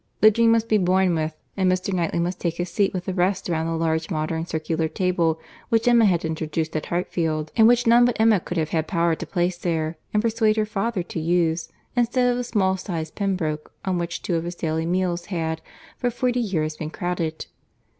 The dream must be borne with, and Mr. Knightley must take his seat with the rest round the large modern circular table which Emma had introduced at Hartfield, and which none but Emma could have had power to place there and persuade her father to use, instead of the small sized Pembroke, on which two of his daily meals had, for forty years been crowded.